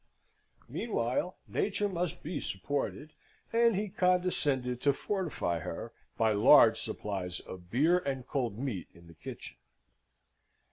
Meanwhile, Nature must be supported, and he condescended to fortify her by large supplies of beer and cold meat in the kitchen.